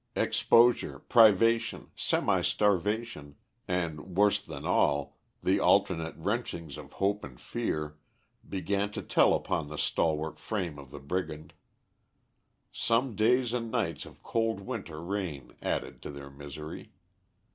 Exposure, privation, semi starvation, and, worse than all, the alternate wrenchings of hope and fear, began to tell upon the stalwart frame of the brigand. Some days and nights of cold winter rain added to their misery.